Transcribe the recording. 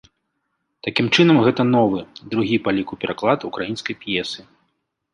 Такім чынам, гэта новы, другі па ліку пераклад украінскай п'есы.